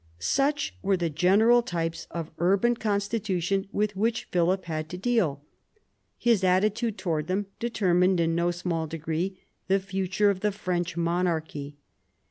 Such were the general types of urban constitution with which Philip had to deal. His attitude towards them determined in no small degree the future of the French monarchy.